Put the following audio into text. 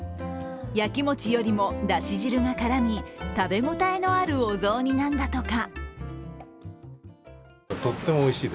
焼き餅よりもだし汁が絡み、食べ応えのある、おぞう煮なんだとか。